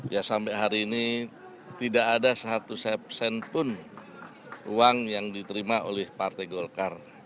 ya sampai hari ini tidak ada satu sepsen pun uang yang diterima oleh partai golkar